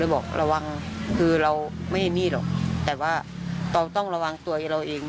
เลยบอกระวังคือเราไม่ได้นี่หรอกแต่ว่าต้องระวังตัวเราเอง